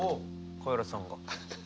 カエラさんが。